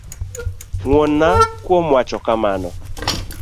Ngwonna kuom wacho kamano.